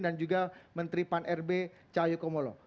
dan juga menteri pan rb cahyokomolo